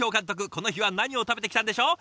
この日は何を食べてきたんでしょう？